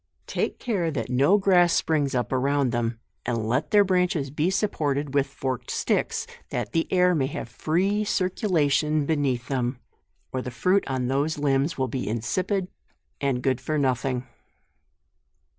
Take care that no grass springs up around them, and let their branches be supported with forked sticks, that the air may have free circulation beneath them ; or the fruit on those limbs will be insipid and good for no thing.